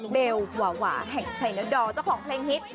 เบลวาวาแห่งเชนดอลเจ้าของเพลงฮิต